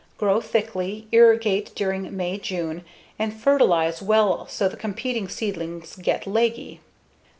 Grow thickly, irrigate during May/June, and fertilize well so the competing seedlings get leggy.